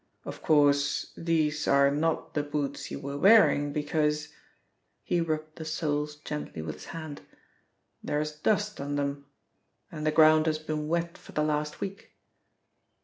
"Of course, these are not the boots you were wearing, because " he rubbed the soles gently with his hand, "there is dust on them, and the ground has been wet for the last week."